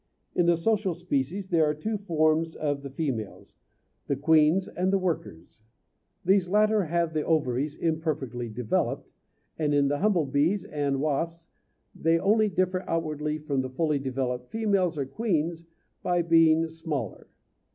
In the social species there are two forms of the females the queens and the workers; these latter have the ovaries imperfectly developed, and in the humble bees and wasps they only differ outwardly from the fully developed females or queens by being smaller.